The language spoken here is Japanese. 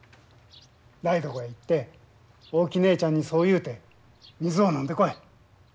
台どこへ行って大きい姉ちゃんにそう言うて水を飲んでこい。